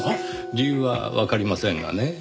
理由はわかりませんがね。